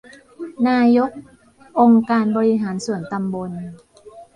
นายกองค์การบริหารส่วนตำบล